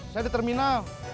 saya di terminal